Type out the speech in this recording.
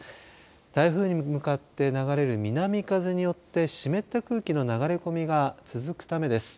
台風に向かって流れる南風によって湿った空気の流れ込みが続くためです。